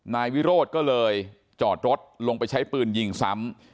นายวิโรธก็เลยจอดรถลงไปใช้ปืนยิงซ้ำ